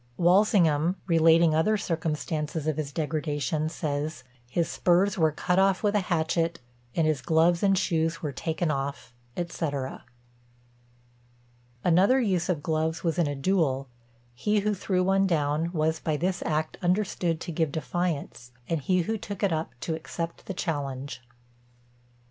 Walsingham, relating other circumstances of his degradation, says, "His spurs were cut off with a hatchet; and his gloves and shoes were taken off," &c. Another use of gloves was in a duel; he who threw one down was by this act understood to give defiance, and he who took it up to accept the challenge.